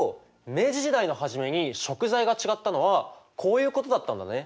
明治時代の初めに食材が違ったのはこういうことだったんだね。